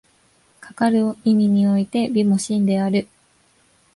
かかる意味において美も真である。